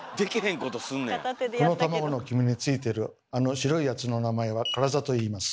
この卵の黄身についてるあの白いやつの名前はカラザといいます。